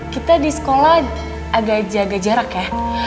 kita di sekolah agak jaga jarak ya